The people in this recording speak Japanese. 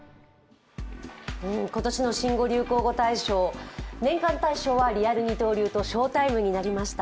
今年の新語・流行語大賞年間大賞はリアル二刀流とショータイムになりました。